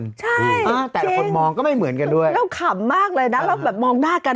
แต่คนมองก็ไม่เหมือนกันด้วยเราขำมากเลยนะเราแบบมองหน้ากัน